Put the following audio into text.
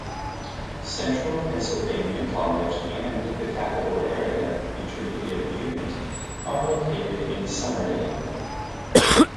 Central Pennsylvania College and the Capital Area Intermediate Unit are located in Summerdale.